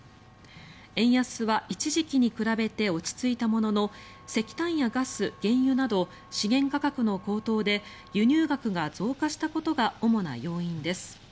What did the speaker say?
円安は一時期に比べて落ち着いたものの石炭やガス、原油など資源価格の高騰で輸入額が増加したことが主な要因です。